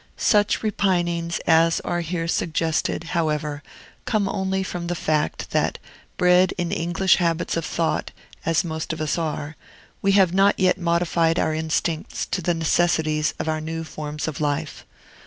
Such repinings as are here suggested, however, come only from the fact, that, bred in English habits of thought, as most of us are, we have not yet modified our instincts to the necessities of our new forms of life.